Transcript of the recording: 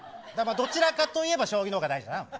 どちらかと言えば将棋の方が大事だな。